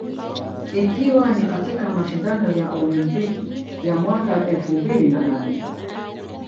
ikiwa ni katika mashindano ya olimpiki ya mwaka elfu mbili na nane